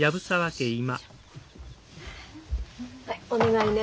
はいお願いね。